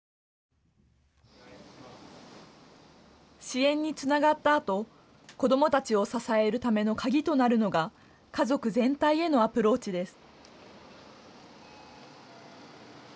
支援につながったあと子どもたちを支えるための鍵となるのが家族全体へのアプローチです。